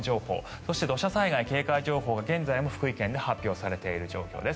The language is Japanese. そして土砂災害警戒情報が現在も福井県で発表されている状況です。